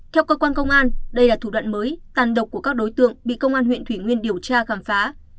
theo cơ quan công an đây là thủ đoạn mới tàn độc của các đối tượng bị công an huyện thủy nguyên điều tra khám phá